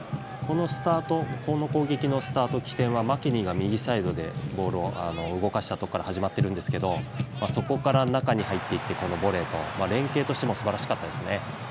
攻撃のスタートの起点はマケニーが右サイドでボールを動かしたところから始まっていますがそこから中に入っていってボレー連係としてもすばらしかったですね。